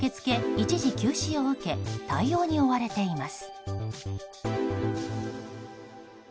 一時休止を受け対応に追われています。